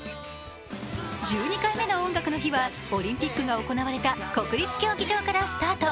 １２回目の「音楽の日」はオリンピックが行われた国立競技場からスタート。